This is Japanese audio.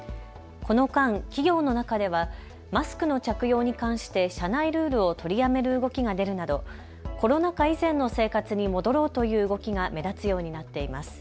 この間、企業の中ではマスクの着用に関して社内ルールを取りやめる動きが出るなどコロナ禍以前の生活に戻ろうという動きが目立つようになっています。